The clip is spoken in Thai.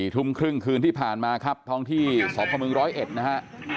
ทุ่มครึ่งคืนที่ผ่านมาครับท้องที่สพมร้อยเอ็ดนะฮะ